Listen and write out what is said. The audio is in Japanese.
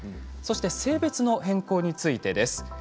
そして性別の変更についてです。